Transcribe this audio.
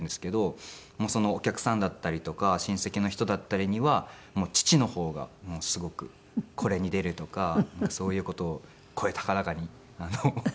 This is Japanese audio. そのお客さんだったりとか親戚の人だったりには父の方がすごくこれに出るとかそういう事を声高々に宣伝してくれているらしくって。